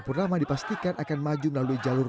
purnama dipastikan akan maju melalui jalur